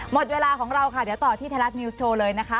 หมดเวลาของเราค่ะเดี๋ยวต่อที่ไทยรัฐนิวส์โชว์เลยนะคะ